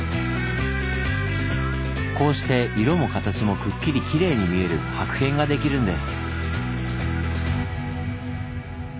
こうして色も形もくっきりきれいに見える薄片ができるんです。